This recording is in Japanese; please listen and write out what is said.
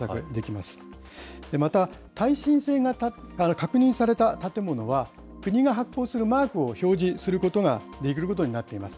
また耐震性が確認された建物は、国が発行するマークを表示することができることになっています。